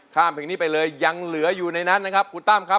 ข้ามเพลงนี้ไปเลยยังเหลืออยู่ในนั้นนะครับคุณตั้มครับ